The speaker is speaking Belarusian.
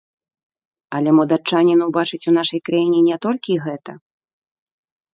Але мо датчанін убачыць у нашай краіне не толькі гэта.